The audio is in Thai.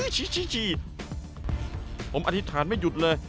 ฉีดผมอธิษฐานไม่หยุดเลย